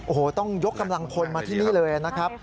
โอ้โหต้องยกกำลังพลมาที่นี่เลยนะครับ